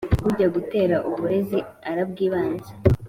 ujya gutera uburezi arabwibanza